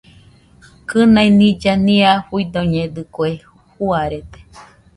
Kɨnai nilla nia fuidoñedɨkue, juarede.